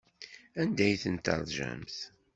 Anda ay ten-teṛjamt?